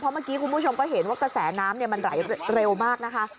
เมื่อกี้คุณผู้ชมก็เห็นว่ากระแสน้ำมันไหลเร็วมากนะคะ